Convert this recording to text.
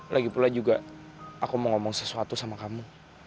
lagipula juga aku mau ngomong sesuatu sama kamu